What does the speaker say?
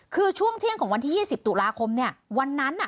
คือช่วงเที่ยงของวันที่ยี่สิบศูนาคมเนี่ยวันนั้นอ่ะ